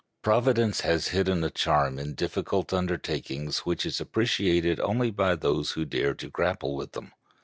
Providence has hidden a charm in difficult undertakings which is appreciated only by those who dare to grapple with them.